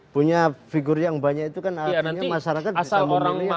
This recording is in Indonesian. punya figur yang banyak itu kan artinya masyarakat bisa memilih yang lebih bagus